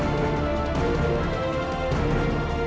aku akan buktikan